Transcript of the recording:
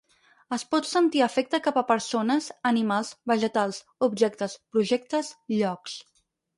Es pot sentir afecte cap a persones, animals, vegetals, objectes, projectes, llocs.